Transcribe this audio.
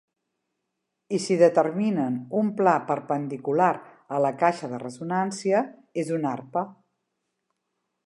I si determinen un pla perpendicular a la caixa de ressonància, és una arpa.